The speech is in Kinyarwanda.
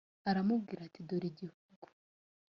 aramubwira ati dore igihugu